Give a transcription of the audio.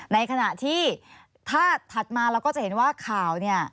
ในขณะที่ถ้าถัดมาเราก็จะเห็นว่าข่าวเนี่ย